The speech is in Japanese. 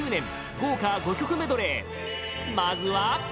豪華５曲メドレーまずは